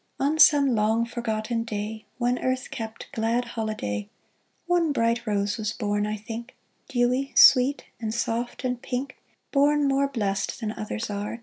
On some long forgotten day, When earth kept glad holiday, One bright rose was born, I think, Dewy, sweet, and soft and pink — Born, more blest than others are.